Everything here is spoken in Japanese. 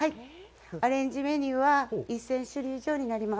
アレンジメニューは１０００種類以上になります。